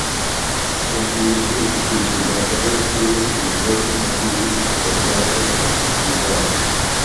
Домбеижьыр зытеджэла къырыр тӀууэ щызэгуэхум, абдежым псы къабзащэ къыщызыпхиващ.